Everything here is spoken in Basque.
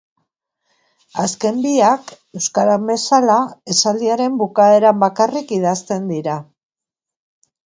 Azken biak, euskaran bezala, esaldiaren bukaeran bakarrik idazten dira.